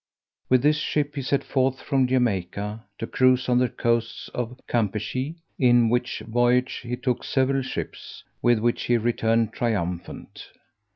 With this ship he set forth from Jamaica to cruise on the coasts of Campechy, in which voyage he took several ships, with which he returned triumphant.